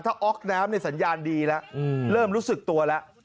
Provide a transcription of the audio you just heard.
ถ้าอ๊อกน้ำในสัญญาณดีแล้วเริ่มรู้สึกตัวแล้ว